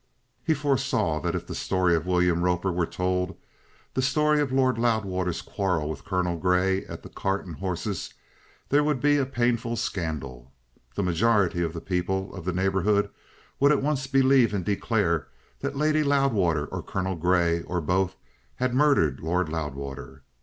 He foresaw that if the story of William Roper were told, and the story of Lord Loudwater's quarrel with Colonel Grey at the "Cart and Horses," there would be a painful scandal. The majority of the people of the neighbourhood would at once believe and declare that Lady Loudwater, or Colonel Grey, or both, had murdered Lord Loudwater.